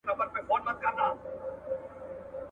• د مرور برخه د کونه ور ده.